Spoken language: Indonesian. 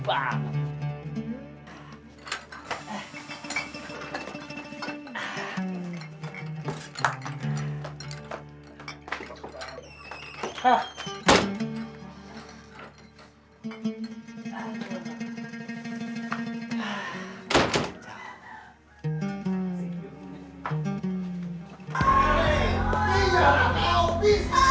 dari tadi gak perlu